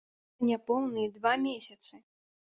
За няпоўныя два месяцы!